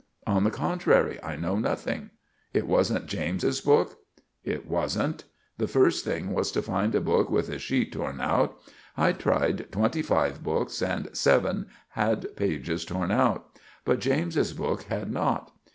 "On the contrary, I know nothing." "It wasn't James's book?" "It wasn't. The first thing was to find a book with a sheet torn out. I tried twenty five books, and seven had pages torn out. But James's book had not.